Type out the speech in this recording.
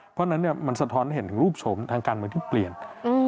เพราะฉะนั้นเนี่ยมันสะท้อนให้เห็นถึงรูปชมทางการเมืองที่เปลี่ยน